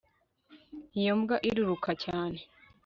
iyo mbwa iriruka cyane